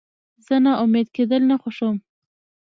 زه ناامیده کېدل نه خوښوم.